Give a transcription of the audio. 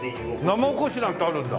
生おこしなんてあるんだ。